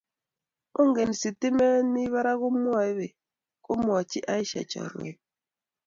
Ongni sitimet mi barak omwoe Bek, kimwoch Aisha chorwenyi